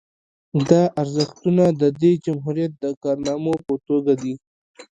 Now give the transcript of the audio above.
دا ارزښتونه د دې جمهوریت د کارنامو په توګه دي